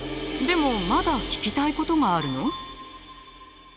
でもまだ聞きたいことがあるの？